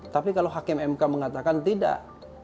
tapi kalau hakim mk mengatakan tidak